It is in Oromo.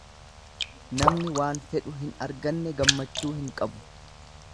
Namni waan fedhu hin arganne gammachuu hin qabu.